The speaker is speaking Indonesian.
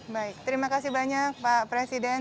baik terima kasih banyak pak presiden